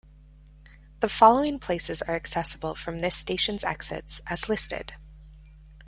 The following places are accessible from this station's exits as listed.